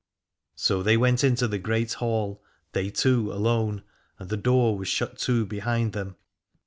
So they went into the Great Hall, they two alone, and the door was shut to behind them.